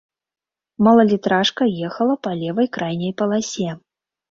Малалітражка ехала па левай крайняй паласе.